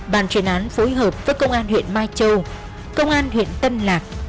bàn chuyên án phối hợp với công an huyện mai châu công an huyện tân lạc